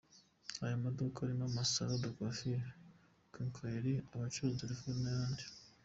Ayo maduka arimo amasalons de coiffure, quincalleries, abacuruza telefoni n'ayandi.